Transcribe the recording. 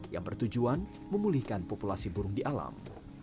yang bertujuan memulihkan populasi burung di alam